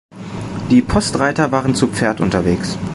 Die Postreiter waren zu Pferd unterwegs.